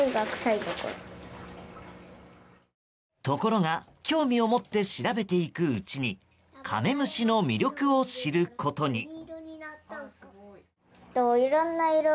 ところが興味を持って調べていくうちにカメムシの魅力を知ることに。